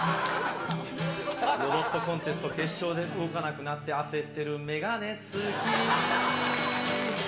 ロボットコンテスト決勝で動かなくなって焦ってる眼鏡、好き。